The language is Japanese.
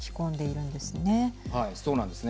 そうなんですね。